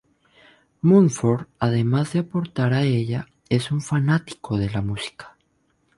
Mumford, además de aportar a ella, es un fanático de la música.